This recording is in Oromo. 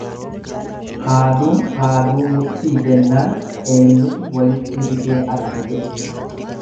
Haaduun haaduu murtii jennaan eennutu walitti rigee arge jedhe.